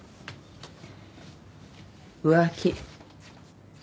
浮気。